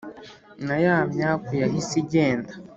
na ya myaku yahise igende